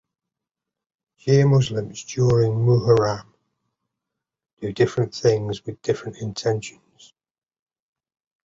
Shia Muslims during Muharram do different things and with different intentions.